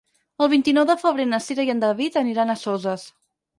El vint-i-nou de febrer na Cira i en David aniran a Soses.